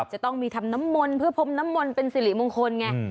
จะต้องมีทำน้ำมนต์เพื่อพรมน้ำมนต์เป็นสิริมงคลไง